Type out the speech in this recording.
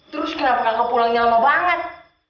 terus kenapa kakak pulangnya lama banget